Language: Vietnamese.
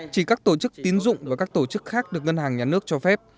chỉ các tổ chức tín dụng và các tổ chức khác được ngân hàng nhà nước cho phép